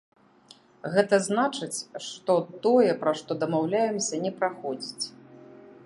Гэта значыць, тое, пра што дамаўляемся, не праходзіць.